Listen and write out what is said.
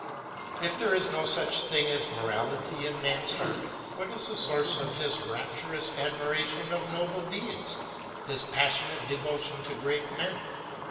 If there is no such thing as morality in man's heart, what is the source of his rapturous admiration of noble deeds, his passionate devotion to great men?